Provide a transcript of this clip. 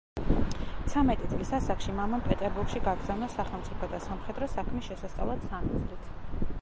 ცამეტი წლის ასაკში მამამ პეტერბურგში გააგზავნა სახელმწიფო და სამხედრო საქმის შესასწავლად სამი წლით.